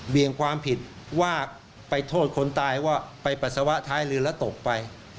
ี่ยงความผิดว่าไปโทษคนตายว่าไปปัสสาวะท้ายเรือแล้วตกไป